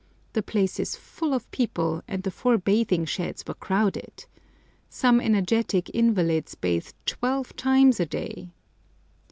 The place is full of people, and the four bathing sheds were crowded. Some energetic invalids bathe twelve times a day!